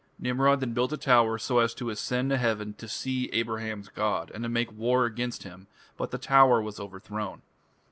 Nimrod then built a tower so as to ascend to heaven "to see Abraham's god", and make war against Him, but the tower was overthrown.